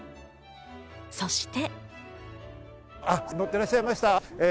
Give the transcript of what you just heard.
そして。